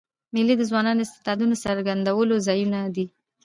مېلې د ځوانانو د استعدادو د څرګندولو ځایونه دي.